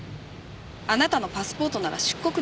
あなたのパスポートなら出国出来る。